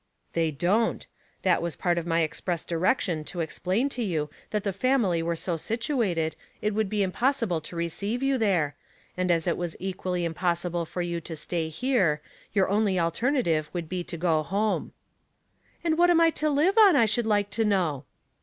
"They don't; that was part of my express direction to explain to you that the family were 60 situated it would be impossible to receivo you 300 Household Puzzles, there, and as it was equally impossible for you to stay here, your only alternative would be to go home." *' And what am I to live on, I should like to know?"